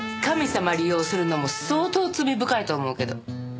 神様利用するのも相当罪深いと思うけど。